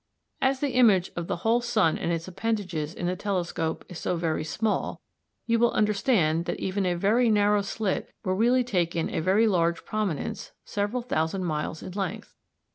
As the image of the whole sun and its appendages in the telescope is so very small, you will understand that even a very narrow slit will really take in a very large prominence several thousand miles in length.